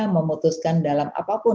memutuskan dalam apapun